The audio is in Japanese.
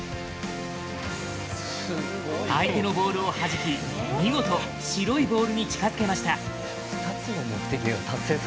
相手のボールをはじき見事、白いボールに近づけました。